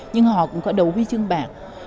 nhưng họ cũng có đủ huy chương bạc